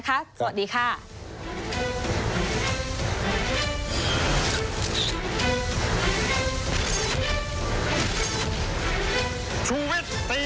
ก็เดี๋ยวพรุ่งนี้เรามาตีแสกหน้ากันต่อนะคะ